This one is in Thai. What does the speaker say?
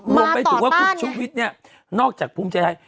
มาต่อต้านเนี่ยคุณชุวิตเนี่ยนอกจากภูมิใจให้